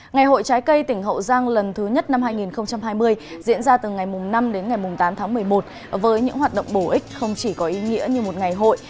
ngày hội trái cây tỉnh hậu giang lần thứ nhất năm hai nghìn hai mươi diễn ra từ ngày năm đến ngày tám tháng một mươi một với những hoạt động bổ ích không chỉ có ý nghĩa như một ngày hội